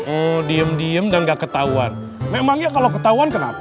oh diem diem dan gak ketahuan memangnya kalau ketahuan kenapa